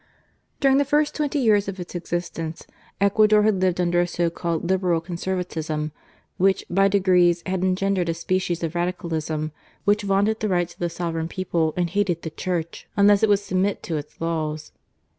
During the first twenty years of its existence, Ecuador had lived under a so called Liberal Con servatism, which, by degrees, had engendered a species of Radicalism which vaunted the rights of the sovereign people and hated the Church unless it would submit to its laws.